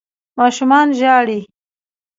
ماشومان ژاړي